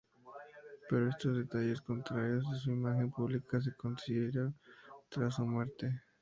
Pero estos detalles, contrarios a su imagen pública, se conocieron tras su muerte.